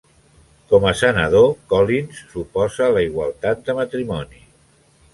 Com a senador, Collins s'oposa a la igualtat de matrimoni.